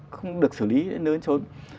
không được xử lý đến nơi cho